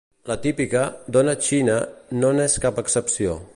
La "típica" dona "china" no n'és cap excepció.